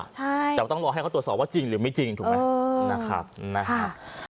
อยู่ละละใช่แต่ต้องรอให้เขาตรวจสอบว่าจริงหรือไม่จริงถูกไหมเออนะครับนะครับ